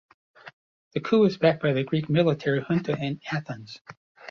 The coup was backed by the Greek military junta in Athens.